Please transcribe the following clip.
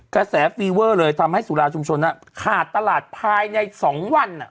กระแสฟีเวอร์เลยทำให้สุราชุมชนขาดตลาดภายใน๒วัน